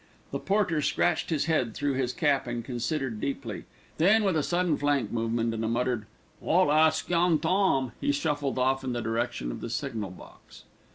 The porter scratched his head through his cap and considered deeply, then with a sudden flank movement and a muttered, "I'll ask Young Tom," he shuffled off in the direction of the signal box.